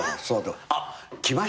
あっきましたね。